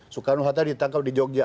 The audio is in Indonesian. soekarno hatta ditangkap di jogja